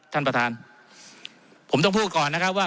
ท่านประธานผมต้องพูดก่อนนะครับว่า